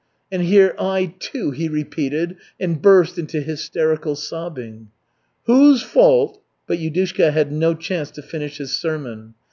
"And here I too " he repeated, and burst into hysterical sobbing. "Whose fault " But Yudushka had no chance to finish his sermon.